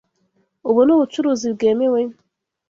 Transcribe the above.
Ubu ni ubucuruzi bwemewe?